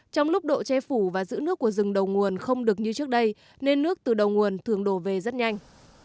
trong lúc độ che phủ và giữ nước của rừng đầu nguồn không được như trước đây nên nước từ đầu nguồn thường đổ về rất nhanh